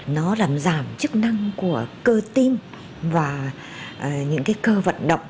nó làm giảm chức năng của cơ tim và những cái cơ vật độc